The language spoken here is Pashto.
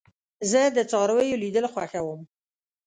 زه د څارويو لیدل خوښوم.